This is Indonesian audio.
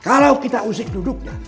kalau kita usik duduknya